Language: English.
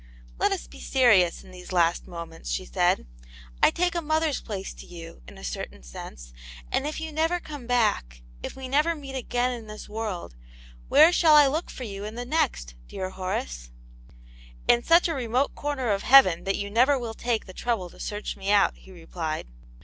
"Let us be serious in these last moments," she said. " I take a mother's place to you, in a certain sense, and if you never come back, if we never meet again in this world, where shall I look for you in the next, dear Horace }"" In such a remote corner of heaven that you never will take the trouble to search me out," he replied.